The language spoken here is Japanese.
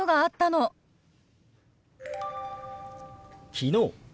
「昨日」。